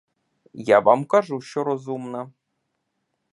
Я вам кажу, що розумна.